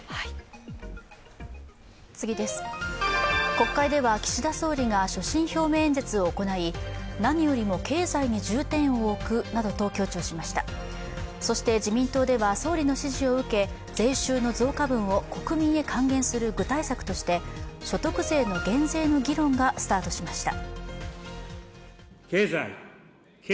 国会では岸田総理が所信表明演説を行い何よりも経済に重点を置くなどと強調しましたそして自民党では総理の指示を受け、税収の増加分を国民へ還元する具体策として所得税の減税の議論がスタートしました。